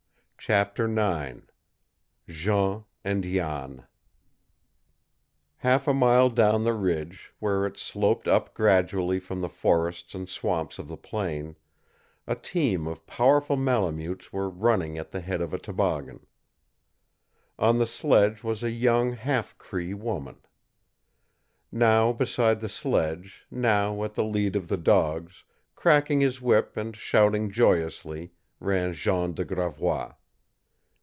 CHAPTER IX JEAN AND JAN Half a mile down the ridge, where it sloped up gradually from the forests and swamps of the plain, a team of powerful Malemutes were running at the head of a toboggan. On the sledge was a young half Cree woman. Now beside the sledge, now at the lead of the dogs, cracking his whip and shouting joyously, ran Jean de Gravois.